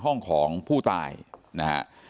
ของผู้ตายนะฮะ